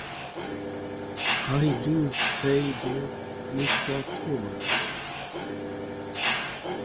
"I do," said Mr. Thomas.